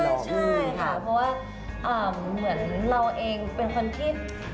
ใช่ค่ะเพราะว่าเหมือนเราเองเป็นคนที่